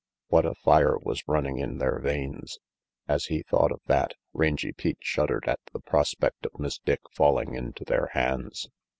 What a fire was running in their veins! As he thought of that, Rangy Pete shuddered at the prospect of Miss Dick falling into their hands.